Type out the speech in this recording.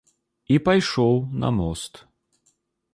І пайшоў на мост.